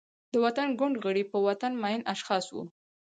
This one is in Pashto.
د وطن ګوند غړي، په وطن مین اشخاص وو.